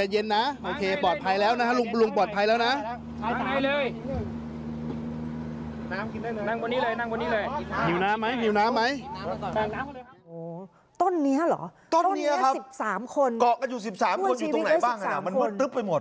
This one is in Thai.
เกาะก็อยู่๑๓คนอยู่ตรงไหนบ้างมันตึ๊บไปหมด